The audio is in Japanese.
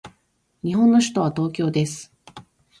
日本の首都は東京です。